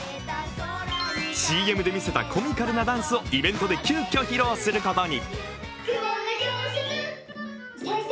ＣＭで見せたコミカルなダンスをイベントで急きょ、披露することに。